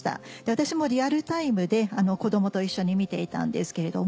私もリアルタイムで子供と一緒に見ていたんですけれども。